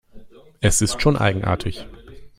Es ist schon eigenartig.